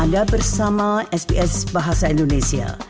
anda bersama sps bahasa indonesia